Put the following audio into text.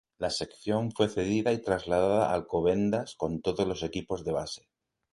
La sección fue cedida y trasladada a Alcobendas con todos los equipos de base.